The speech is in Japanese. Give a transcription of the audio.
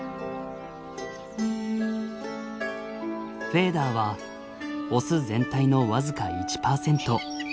フェーダーはオス全体の僅か１％。